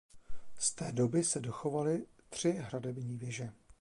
Z této doby se dochovaly tři hradební věže.